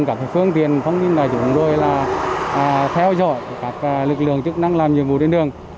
các phương tiền không tin là dùng rồi là theo dõi các lực lượng chức năng làm nhiệm vụ trên đường